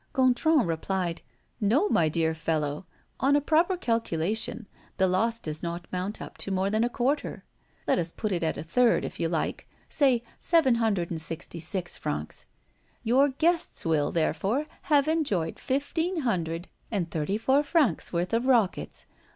Gontran replied: "No, my dear fellow, on a proper calculation, the loss does not mount up to more than a quarter; let us put it at a third, if you like; say seven hundred and sixty six francs. Your guests will, therefore, have enjoyed fifteen hundred and thirty four francs' worth of rockets.